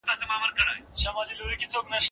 زما خالي غېږه ښېرې درته کوينه